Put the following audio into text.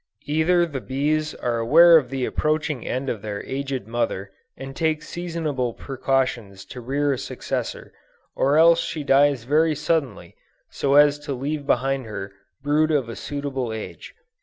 Either the bees are aware of the approaching end of their aged mother, and take seasonable precautions to rear a successor; or else she dies very suddenly, so as to leave behind her, brood of a suitable age.